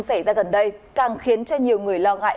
xảy ra gần đây càng khiến cho nhiều người lo ngại